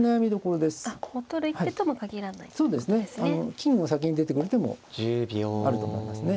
金を先に出てくる手もあると思いますね。